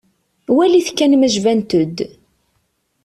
Walit kan ma jbant-d.